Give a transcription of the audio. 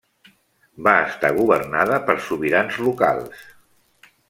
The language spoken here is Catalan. Va estar governada per sobirans locals.